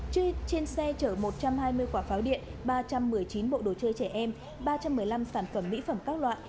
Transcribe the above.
trên xe chở một trăm hai mươi quả pháo điện ba trăm một mươi chín bộ đồ chơi trẻ em ba trăm một mươi năm sản phẩm mỹ phẩm các loại